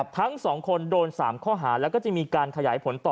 ทั้ง๒คนโดน๓ข้อหาแล้วก็จะมีการขยายผลต่อ